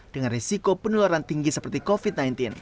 dengan risiko penularan tinggi seperti covid sembilan belas